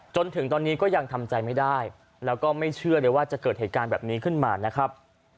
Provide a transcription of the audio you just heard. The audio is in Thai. จนถึงตอนนี้ก็ยังทำใจไม่ได้แล้วก็ไม่เชื่อเลยว่าจะเกิดเหตุการณ์แบบนี้ขึ้นมานะครับ